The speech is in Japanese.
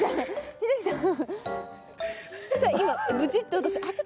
秀樹さん